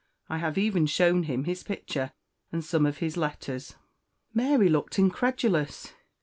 I have even shown him his picture and some of his letters." Mary looked incredulous.